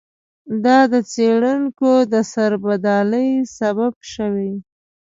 دا د څېړونکو د سربدالۍ سبب شوی.